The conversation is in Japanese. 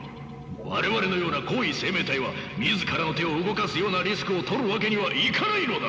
我々のような高位生命体は自らの手を動かすようなリスクをとるわけにはいかないのだ！